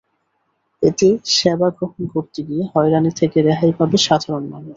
এতে সেবা গ্রহণ করতে গিয়ে হয়রানি থেকে রেহাই পাবে সাধারণ মানুষ।